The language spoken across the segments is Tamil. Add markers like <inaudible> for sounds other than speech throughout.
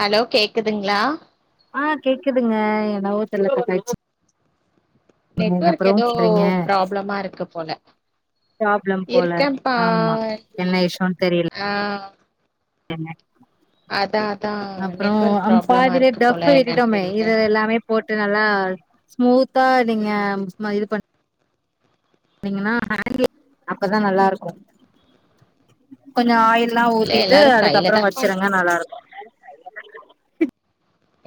ஹலோ கேக்குதுங்களா ஆ கேக்குதுங்க என்னவோ தெர்ல இப்ப போயிர்ச்சு நெட்வொர்க் ஏதோ பண்றீங்க ப்ராப்ளமா இருக்கு போல ப்ராப்ளம் போல இருக்கேன்ப்பா ஆமா என்ன விஷயம்ன்னு தெரில் ஆ ஏங்க அதா அதா அப்றம் நெட்வொர்க் அம் ப்ராப்ளமா பாதிலே இருக்கு டஃப் போல என்னன்னு விட்டுட்டோமே தெரியல இது எல்லாமே போட்டு நல்லா ஸ்மூத்தா நீங்க ம இது பண்ணோ பாத்தீங்கனா <inaudible> அப்பதா நல்லா இருக்கோ கொஞ்சோ ஆயில்லா இல்ல ஊத்திட்டு எல்லாரு கையில தா அதுக்கப்பறம் பண் வச்சிருங்க நல்லா இருக்கும்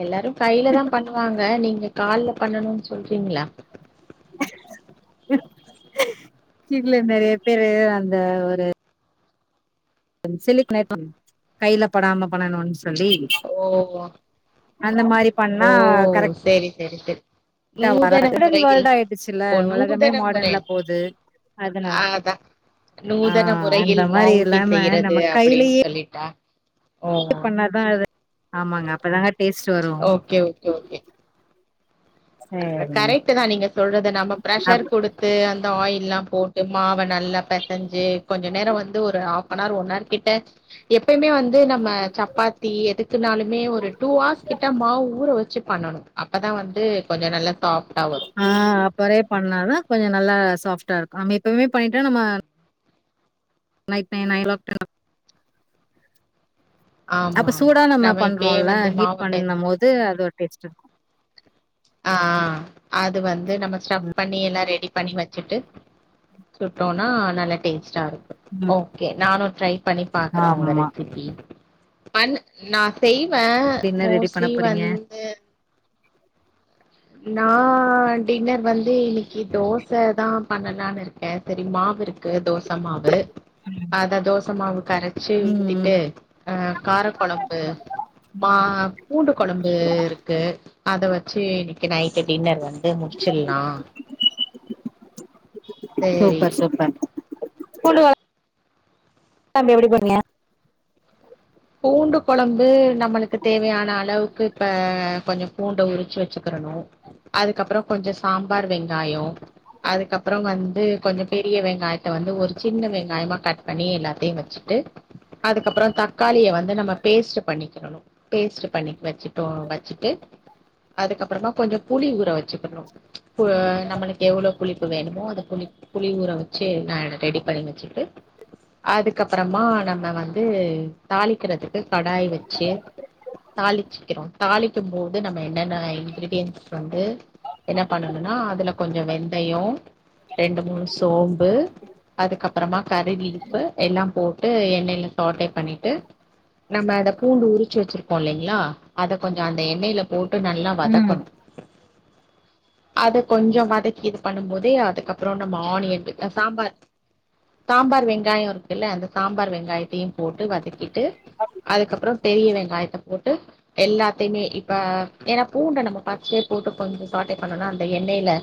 எல்லாரும் கையில தா பண்ணுவாங்க நீங்க கால்ல பண்ணணும்னு சொல்றீங்களே இல்ல இல்ல நெறய பேரூ அந்த ஒரு சிலிக் <inaudible> கையில படாம பண்ணணும்னு சொல்லி ஓ அந்த மாரி பண்ணா ஓ கரெக்டா சேரி சேரி சேரி நூதன வராது மாடர்ன் முறையில் வேர்ல்ட் ஆயிடுச்சுல்ல ஓ உலகமே நூதன முறை மாடர்ன்ல போது அதனால ஆதான் ஆ நூதன அந்த முறையில் மாரி மாவூட்டி இல்லாம செய்றது நம்ம அப்டின்னு கையிலயே சொல்லிட்டா ஓ பது ஆமாங்க அப்பதாங்க டேஸ்ட் வரு ஓகே ஓகே ஓகே சேரிங்க கரெக்ட் தான் நீங்க சொல்றது நம்ம ப்ரஷர் அப் குடுத் து அந்த ஆயில் ல்லாம் போட்டு மாவ நல்லா பெசஞ்சு கொஞ்ச நேரோ வந்து ஒரு ஆஃபனார் ஒன்னார் கிட்ட எப்பயுமே வந்து நம்ம சப்பாத்தி எதுக்குனாலுமே ஒரு டூ ஹார்ஸ் கிட்ட மாவு ஊற வச்சு பண்ணணு அப்பதான் வந்து கொஞ்ச நல்லா சாஃப்டா வரும் ஆ அப்பரே பண்ணாதா கொஞ்ச நல்லா சாஃப்டாருக்கும் நம்ம எப்ப‌மே பண்ணிட்டா நம்ம ந ந <unintelligible> ஆமா அப்ப ஆமா சூடா நம்ம இப்பயே பண்றோம்ல வந்து ஹீட் மாவ பண்ணும் பெசஞ் போது அது ஒரு டேஸ்ட்டாருக்கு ஆ அது வந்து நம்ம ஸ்டஃப் ம் பண்ணி எல்லா ரெடி பண்ணி வச்சுட்டு சுட்டோனா நல்லா டேஸ்ட்டாருக்கு ம் ஒகே நானும் ட்ரை பண்ணி பாக்குறே ஒங்க ஆமா ரெசிபி பண்ணுனா செய்வே டின்னர் ரெடி பண்ண மோஸ்ட்லி போறீங்க வந்து நா டின்னர் வந்து இன்னக்கீ தோச தா பண்ணலான்னு இருக்கே சரி மாவிருக் கு தோச மாவு அத தோச மாவு கரச்சு ம் ம் ஊத்திட்டு அ காரக்கொழம்பு மா பூண்டு கொழம்புருக்கு அத வச்சு இன்னக்கி நைட்டு டின்னர் வந் சேரி சூப்பர் சூப்பர் பூண்டு கொழ எப்டி பண்ணுவீங்க <inaudible> பூண்டு கொழம்பு நம்மளுக்கு தேவையான அளவுக்கு இப்ப கொஞ்சோ பூண்ட உரிச்சு வச்சுக்கிறணு அதுக்கப்பறம் கொஞ்சோ சாம்பார் வெங்காயோ அதுக்கப்பறம் வந்து கொஞ்சோ பெரிய வெங்காயத்த வந்து ஒரு சின்ன வெங்காயமா கட் பண்ணி எல்லாத்தையு வச் ட்டு அதுக்கப்பறம் தக் காளிய வந்து நம்ம பேஸ்ட் பண்ணிக்கறணு பேஸ்ட் பண்ணி வச்சுட்டோ வச்சுட்டு அதுக்கப்பறமா கொஞ்சோ புளி ஊற வச்சுக்கணும் புவ நம்ளக்கு எவ்ளோ புளிப்பு வேணுமோ அத புளி புளி ஊற வச்சு நா ரெடி பண்ணி வச்சி அதுக்கப்பறமா நம்ம வந்து தாளிக்கிறதுக்கு கடாய் வச்சு தாளிச்சுக்கிறோ தாளிக்கும் போது நம்ம என்னென்ன இன்கிரீடியன்ஸ் வந்து என்ன பண்ணணும்னா அதுல கொஞ்சோ வெந்தயோ ரெண்டு மூணு சோம்பு அதுக்கப்பறமா கறி லீஃப் எல்லா போட்டு எண்ணெய் ல சாட்டே பண்ணி ட்டு நம்ம அத பூண்டு உருச்சு வச்சிருக்கோ இல்லைங்களா அத கொஞ்சோ அந்த எண்ணெய்ல போட்டு நல்லா ம் வதக்கணு அத கொஞ்சோ வதக்கி இது பண்ணு போது அதுக்கப்றோ நம்ம ஆனியன்ட் சாம்பார் சாம்பார் வெங்காயோ இருக்குல்ல அந்த சாம்பார் வெங்காயத்தையு போட்டு வதக் ட்டு அதுக்கப்றோ பெரிய வெங்காயத்த போட்டு எல்லாத்தையுமே இப்ப ஏன்னா பூண்ட நம்ம பஸ்ட்டே போட்டு கொஞ்சோ சாட்டே பண்ணேனா அந்த எண்ணெய்ல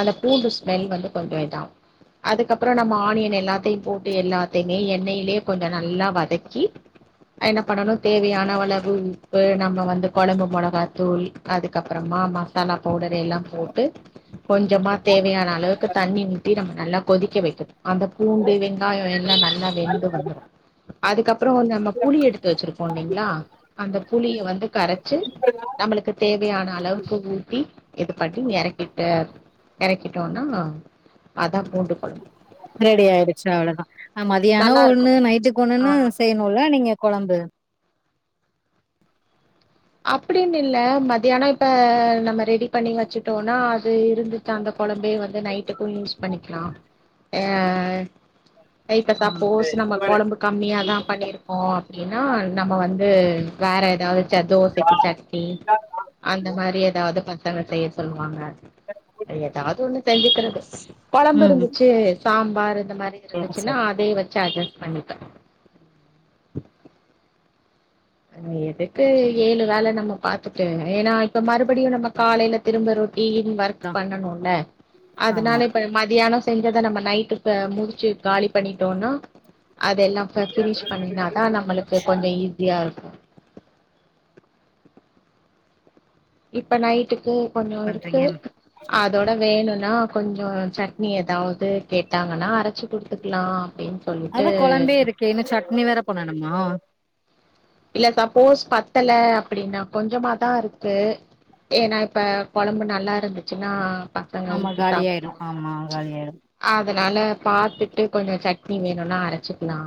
அந்த பூண்டு ஸ்மெல் வந்து கொஞ்சோ இதா அதுக்கப்றோ நம்ம ஆனியன் எல்லாத்தையும் போட்டு எல்லாத்தையுமே எண்ணெய்யிலே கொஞ்சோ நல்லா வதக்கி என்ன பண்ணணு தேவையான அளவு உப்பு நம்ம வந்து கொழம்பு மொளகாத்தூள் அதுக்கப்றமா மசாலா பவுடர் எல்லா போட்டு கொஞ்சமா தேவையான அளவுக்கு தண்ணி ஊத்தி நம்ம நல்லா கொதிக்க வக்கணு அந்த பூண்டு வெ ங்காயோ எல்லா நல்லா வெந்து வந்து அதுக்கப் புறம் நம்ம புளி எடுத்து வச்சிருக்கோ இல்லைங்களா அந்த புளிய வந்து கரைச்சு நம்மளுக்கு தேவையான அளவுக்கு ஊத்தி இது பட்டி எறக்கிட்ட எறக்கிட்டோனா அதா பூண்டு கொழம் ரெடி ஆயிடுச்சு அவ்வளவுதா அ மதியானோ நல்லா இருக்கு ஒண்ணு நைட்டுக்கு ஒண்ணுன்னு ஆ செய்யணுல நீங்க கொழம்பு அப்டின்னு இல்ல மத்தியான இப்ப நம்ம ரெடி பண்ணி வச்சுட்டோம்னா அது இருந்து அந்த கொழம்பைய வந்து நைட்டுக்கும் யூஸ் பண்ணிக்கலா அ கை க சப்போஸ் நம்ம கொழம்பு கம்மியாக தா பண்ணியிருக்கோ அப்டின்னா நம்ம வந்து வேற ஏதாவது ச க்கு சட்னி அந்த மாரி ஏதாவது பசங்க செய்ய சொல்லுவாங்க ஏதாவது ஒண்ணு செஞ்சுக்கிறது கொழம்பு ம் இருந்துச்சு சாம்பார் இந்த மாரி இருந்துச்சுன்னா அதே வச்சு அட்ஜஸ் பண்ணிப்பே அ எதுக்கு ஏழு வேலை நம்ம பாத்துட்டு ஏன்னா இப்ப மறுபடியு நம்ம காலையில திரும்ப ரொட்டீன் ஒர்க் தா பண்ணனுல ஆமா அதனால இப்ப மதியானோ செஞ்சதை நம்ம நைட்டு இப்ப முடிச்சு காலி பண்ணிட்டோனா அதெல்லா அ ஃபினிஷ் பண்ணினா தா நம்மளுக்கு கொஞ்சோ ஈஸியா இருக்கு இப்ப நைட்டுக்கு கொஞ்சோ இருக்கு பண்றீங்க அதோட வேணுனா கொஞ்சோ சட்னி எதாவது கேட்டாங்கன்னா அரைச்சி குடுத்துக்கலா அப்டின் அதா கொழம்பே இருக்கே இன்னு சட்னி வேற பண்ணணுமா இல்ல சப்போஸ் பத்தல அப்டின்னா கொஞ்சமாதா இருக்கு ஏன்னா இப்ப கொழம்பு நல்லா இருந்துச்சுன்னா பசங்க ஆமா ஊத்தி காலியாயிடு சாப்பிட்ருவாங்க ஆமா காலியாயிடு அதனால பாத்துட்டு கொஞ்சோ சட்னி வேணுனா அரைச்சிக்கலா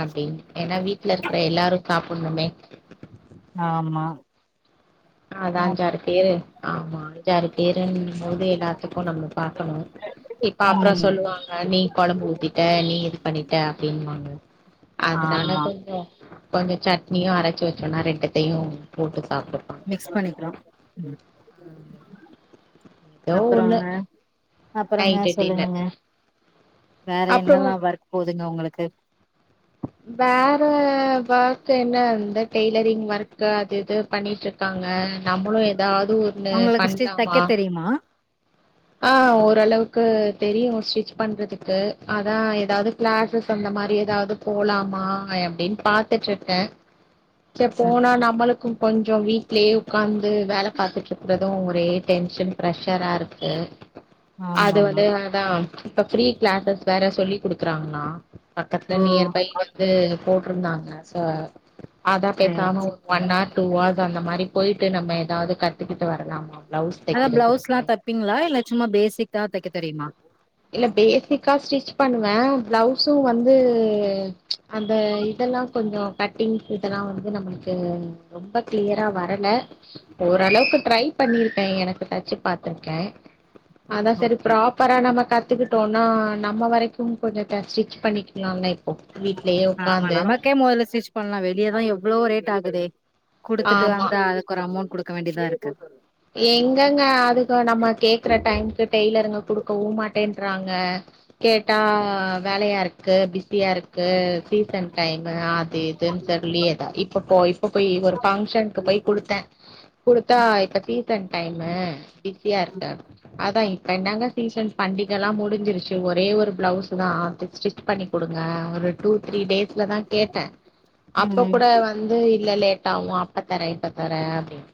அப்டின்னு ஏன்னா வீட்டு்ல இருக்கற எல்லாரு சாப்பிடணுமே ஆமா ஆ அதா அப் அஞ்சாறு பேரு ஆமா அஞ்சாறு பேருன்னு போது எல்லாத்துக்கு நம்ம பாக்கணு இப்ப அப்புறோ ம் சொல்லுவாங்க நீ கொழம்பு ஊத்திட்ட நீ இது பண்ணிட்ட அப்டின்னுவாங்க அதனால ஆமா கொஞ்சோ கொஞ்ச சட்னியு அரைச்சு வச்சோன்னா ரெண்டத்தையு போட்டு சாப்டுப்பா மிக்ஸ் பண்ணிக்கிறோ ம் ஏதோ ஒண்ணு அப்புறோங்க அப்புறங்க நைட்டு டின்னர் சொல்லுங்கங்க வேற அப்புறோ என்னல்லா ஒர்க் போதுங்க உங்களுக்கு வேற ஒர்க் என்ன அந்த டெய்லரிங் ஒர்க்கு அது இது பண்ணிட்டு இருக்காங்க நம்மளு ஏதாவது ஒன்னு உங்களுக்கு ஸ்டிச் தைக்க பண்ணலாமா தெரியுமா ஆ ஓரளவுக்கு தெரியு ஸ்டிச் பண்றதுக்கு அதா ஏதாது கிளாஸஸ் அந்த மாரி ஏதாவது போலாமா அப்டின்னு பாத்துட்டுருக்கே செ ம் போனா நம்மளுக்கு கொஞ்சொ வீட்லயே உக்காந்து வேல பாத்துட்ருக்குறது ஒரே டென்ஷன் ப்ரெஷரா இருக் கு அது ஆமாமா வந்து அதா இப்ப ஃப்ரீ கிளாஸஸ் வேற சொல்லி குடுக்குறாங்களா பக்கத்ல ஓ நியர்பை வந்து போட்ருந்தாங்க சோ அதா சேரி பேசாம ஒன் ஆர் டூ ஆவர்ஸ் அந்த மாரி போயிட்டு நம்ம ஏதாது கத்துக்கிட்டு வரலாமா பிளவுஸ் அதா பிளவுஸ்லா தைக்கிறதுக்கு தப்பிங்ளா இல்ல சும்மா பேசிக்கா தெக்க தெரியுமா இல்ல பேசிக்கா ஸ்டிச் பண்ணுவே பிளவுஸு வந்து அந்த இதெல்லா கொஞ்சொ கட்டிங் இதெல்லா வந்து நம்ளுக்கு ரொம்ப கிளியரா வரல ஓரளவுக்கு ட்ரை பண்ணிருக்கே எனக்கு தச்சு பாத்துருக்கே அதா சரி ஓகே ப்ராப்பரா நம்ம கத்துக்கிட்டோனா நம்ம வரைக்கும் கொஞ்ச ஸ்டிச் பண்ணிக்கலா லைக் வீட்லயே ஆமா உக்காந்து நமக்கே மொதல்ல ஸ்டிச் பண்ணலா வெளியதா எவ்ளோ ரேட் ஆகுதே குடுத்துட்டு ஆமா வந்தா அதுக்கு ஒரு அமௌண்ட் குடுக்க வேண்டியதா இருக்கு எங்கங்க அதுக்கு நம்ம கேக்குற டைம்க்கு டெய்லருங்க குடுக்கவும் மாட்டேன்றாங்க கேட்டா வேலையா இருக்கு பிஸியா இருக்கு சீசன் டைமு அது இதுனு சொல்லி எதா இப்ப போய் இப்ப போயி ஒரு பங்ஷனுக்கு போய் குடுத்தே குடுத்தா ம் இப்ப சீசன் டைமு பிஸியா இருக்காரு அதா இப்ப என்னங்க சீசன் பண்டிகலா முடிஞ்சிருச்சு ஒரே ஒரு பிளவுஸ் தா ஸ்டிச் பண்ணி குடுங்க ஒரு டூ த்ரீ டேஸ்ல தா கேட்டே அப்ப ம் கூட வந்து இல்ல லேட்டாகும் அப்ப தர இப்ப தர அப்படின்னு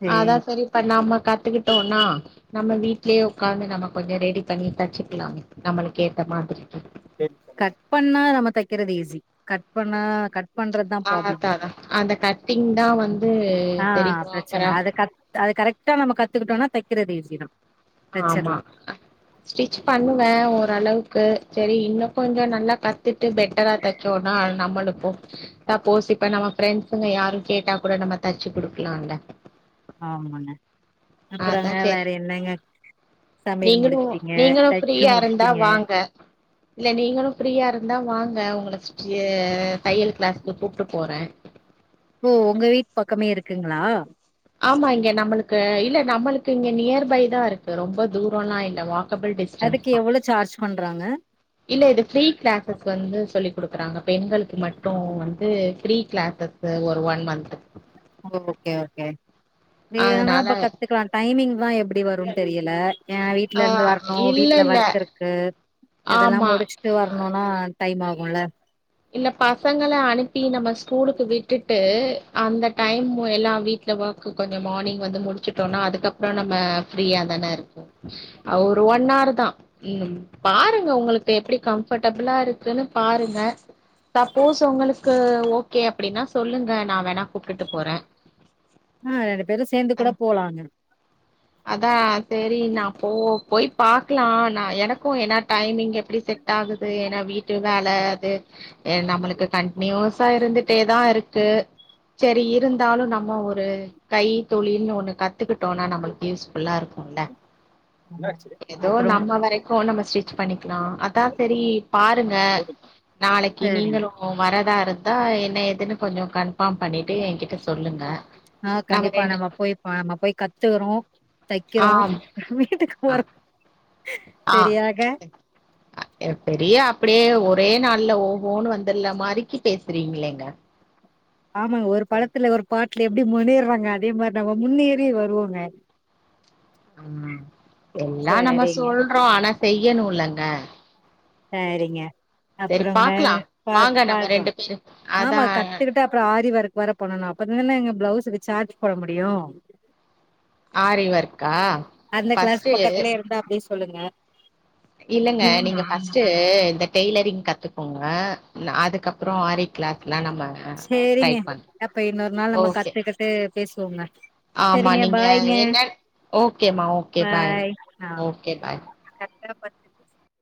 சேரி அதா செரி இப்ப நாம்ம கத்துக்கிட்டோனா நம்ம வீட்லேயே உக்காந்து நம்ம கொஞ்ச ரெடி பண்ணி தச்சுக்கலாமே நம்மளுக்கு ஏத்த மாதிரிக்கு கட் பண்ணா நம்ம தெக்கிறது ஈஸி கட் பண்ணா கட் பண்றதுதா ப்ராப்ளம் அதாதா அந்த கட்டிங் தா வந்து ஆ சரி பிரச்சன ப்ராப்பரா அது கத் அது கரெக்டா நம்ம கத்துக்கிட்டோனா தெக்கிறது ஈசிதா ஆமா ஸ்டிச் பண்ணுவே ஓரளவுக்கு செரி இன்னொ கொஞ்ச நல்லா கத்து ட்டு பெட்டரா தச்சோனா நம்மளுக்கும் சப்போஸ் இப்ப நம்ம ப்ரண்ட்ஸுங்க யாரு கேட்டா கூட நம்ம தச்சு குடுக்கலால ஆமாங்க அப்பறங்க வேற என்னங்க சமையல் நீங்களும் முடிச்சுட்டீங்க நீங்களு தச்சு ஃப்ரீயா இருந்தா முடிச்சுட்டீங்க வாங்க இல்ல நீங்களு ஃப்ரீயா இருந்தா வாங்க உங்கள எ தையல் கிளாசுக்கு கூட்டு போற ஓ உங்க வீட்டு பக்கமே இருக்குங்களா ஆமா இங்க நம்மளுக்கு இல்ல நம்மளுக்கு இங்க நியர் பை தா இருக்கு ரொம்ப தூரல்லா இல்ல வா அதுக்கு எவ்ளோ சார்ஜ் பண்றாங்க இல்ல இது ஃப்ரீ கிளாஸஸ் வந்து சொல்லி் குடுக்குறாங்க பெண்களுக்கு மட்டும் வந்து ஃப்ரீ கிளாஸஸ் ஒரு ஒன் மந்த் ஓகே ஓகே நீ ஆனா அதனால இப்ப கத்துக்கலா டைமிங் தா எப்பிடி வருனு தெரியல ஏ ஆ வீட்டுல இருந்து வரணும் இல்ல வீட்டுல இல்ல ஒர்க் இருக்கு இதெல்லா ஆமா முடிச்சு ட்டு வரணுனா டைம் ஆகுல இல்ல பசங்கள அனுப்பி நம்ம ஸ்கூலுக்கு விட்டுட்டு அந்த டைமு எல்லா வீ இந்த ஒர்க் கொஞ்ச மார்னிங் வந்து முடிச்சுட்டோனா அதுக்கப்பறம் நம்ம ஃப்ரீயா தானே இருக்கு ஒரு ஒன் ஹவர் தா ம் பாருங்க உங்களுக்கு எப்பிடி கம்ஃபர்டபிளா இருக்குன்னு பாருங்க சப்போஸ் உங்களுக்கு ஓகே அப்படின்னா சொல்லுங்க நா வேணா கூப்டுட்டு போறே ஆ ரெண்டு பேரு சேந்து கூட போலாங்க அதா செரி நா போ போய் பாக்கலாம் நா எனக்கு என்னா டைமிங் எப்படி செட் லேட் ஆகுது ஏன்னா வீட்டு வேலை அது ஏ நம்மளுக்கு கண்டினியூஸா இருந்துட்டேதா இருக்கு செரி இருந்தாலு நம்ம ஒரு கை தொழில்னு ஒண்ணு கத்துக்கிட்டோனா நமக்கு யூஸ்ஃபுல்லா <unintelligible> ஏதோ அப்புறம் நம்ம வரைக் கு நம்ம ஸ்டிச் பண்ணிக்கலா அதா சரி பாருங்க நாளைக்கு சரிங்க நீங்களு உ வரதா இருந்தா என்ன ஏதுன்னு கொஞ்சொ கன்ஃபார்ம் பண்ணிட்டு எங்கிட்ட சொல்லுங்க ஆ கண்டிப்பா நம்ம போய் பா நம்ம போய் கத்துகுறோ ஆ தைக்கிறோ வீட்டுக்கு ஆ போறோ ஆ எப்படியா அப்புடியே ஒரே நாள்ல ஓகோன்னு வந்துருலா மாரிக்கி பேசுறீங்களேங்க ஆமாங்க ஒரு படத்துல ஒரு பாட்டுல எப்டி முன்னேறாங்க அதே மாரி நம்ம முன்னேறி வருவோங்க ம் எல்லா நம்ம சரிங்க சொல்றோ ஆனா செய்யணுல்லங்க சேரிங்க சரி அப்பறங்க பாக்கலா பாக் வாங்க நம்ம பாக்கலா ரெண்டு பேரு அதா ஆமா கத்துக்குட்டா அப்பறோ ஆரி வொர்க் வேற பண்ணனு அப்ப தானங்க பிளவுஸுக்கு சார்ஜ் போட முடியு ஆரி ஒர்க்கா அந்த கிளாஸ் ஃபஸ்ட்டு பக்கத்துலே இருந்தா அப்டி சொல்லுங்க இல்லங்க நீங்க ஃபஸ்ட்டு டு இந்த டெய்லரிங் கத்துக்கோங்க ந அதுக்கப்பறோ ஆரி கிளாஸ்லா நம்ம ட்ரை சேரிங்க பண் அப்ப இன்னொரு நாள் நம்ம ஓகே கத்துக்குட்டு பேசுவோங்க ஆமா சரிங்க நீங்க பாய்ங்க என்ன ஓகேமா ஓகே பாய் ஓகே பாய் கர்த்தர பத்